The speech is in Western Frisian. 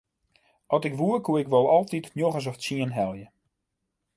At ik woe koe ik wol altyd njoggens of tsienen helje.